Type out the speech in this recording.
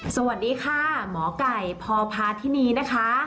สวัสดีค่ะหมอก่ายพอพาที่นี่นะคะ